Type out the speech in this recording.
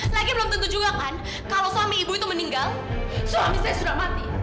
lagi belum tentu juga kan kalau suami ibu itu meninggal suami saya sudah mati